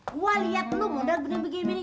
gua liat lu mudah bener begini